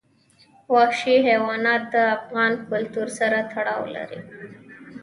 وحشي حیوانات د افغان کلتور سره تړاو لري.